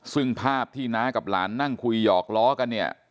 ซึ่งภาพที่น้ากับหลานนั่งคุยหยอกล้อกันเนี่ย